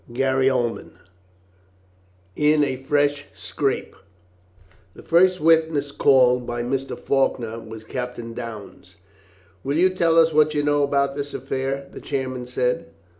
CHAPTER III IN A FRESH SCRAPE The first witness called by Mr. Faulkner was Captain Downes. "Will you tell us what you know about this affair?" the chairman said.